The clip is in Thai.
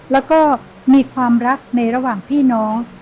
แล้วก็มีความรักในระหว่างพี่น้อง